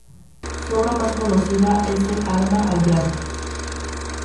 Su obra más conocida es "El alma al diablo".